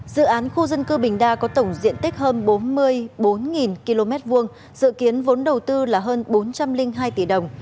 dự án khu dân cư bình đa có tổng diện tích hơn bốn mươi bốn km hai dự kiến vốn đầu tư là hơn bốn trăm linh hai tỷ đồng